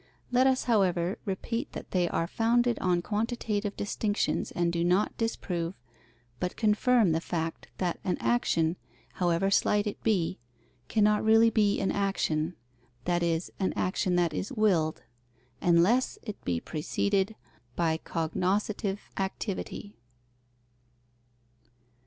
Let us, however, repeat that they are founded on quantitative distinctions and do not disprove, but confirm the fact that an action, however slight it be, cannot really be an action, that is, an action that is willed, unless it be preceded by cognoscitive activity.